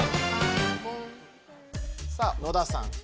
さあ野田さん